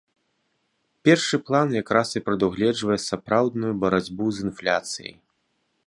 Першы план якраз і прадугледжвае сапраўдную барацьбу з інфляцыяй.